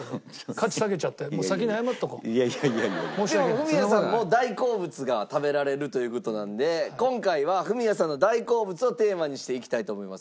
フミヤさんも大好物が食べられるという事なので今回はフミヤさんの大好物をテーマにしていきたいと思います。